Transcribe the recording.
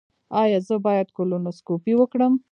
ایا زه باید کولونوسکوپي وکړم؟